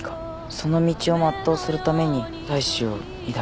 その道を全うするために大志を抱け」